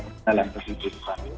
khususnya dari perwakilan